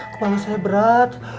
kepala saya berat